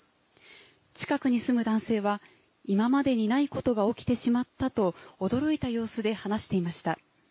近くに住む男性は、今までにないことが起きてしまったと、驚いた様子で話していました。